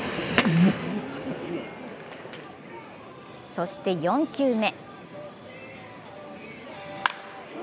そして４球目。